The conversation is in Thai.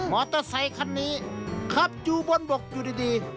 มอเตอร์ไซคันนี้ขับจูบบนบกอย่างออก